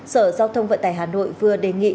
sở giao thông vận tải hà nội vừa đề nghị